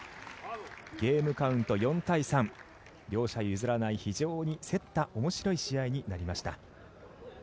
ゲームカウント４対３両者譲らない、非常に競った面白い試合になりました。